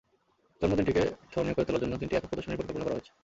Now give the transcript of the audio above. জন্মদিনটিকে স্মরণীয় করে তোলার জন্য তিনটি একক প্রদর্শনীর পরিকল্পনা করা হয়েছে।